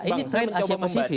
ini tren asia pasifik